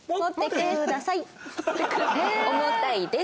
「重たいです」。